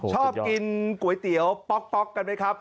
ชอบกินก๋วยเตี๋ยวป๊อกกันไหมครับ